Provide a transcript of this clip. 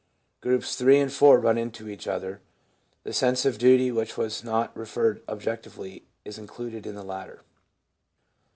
Groups 3 and 4 run into each other. The sense of duty which was not referred objectively is included in the latter.